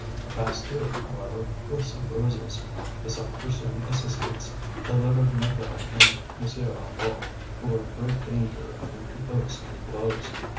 He passed through, however, with some bruises. This unforeseen assistance delivered Négrel and M. Hennebeau, who were in great danger amid the oaths and blows.